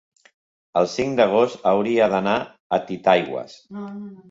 El cinc d'agost hauria d'anar a Titaigües.